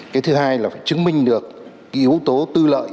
cái thứ hai là phải chứng minh được cái yếu tố tư lợi